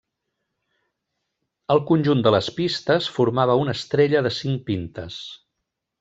El conjunt de les pistes formava una estrella de cinc pintes.